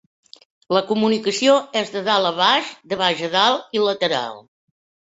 La comunicació és de dalt a baix, de baix a dalt i lateral.